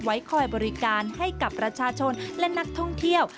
ไว้คอยบริการให้กับประชาชนและนักท่องเที่ยว